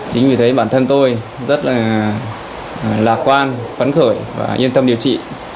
chính vì thế bản thân tôi rất là lạc quan vấn khởi và yên tâm điều trị